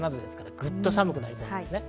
ぐっと寒くなりそうです。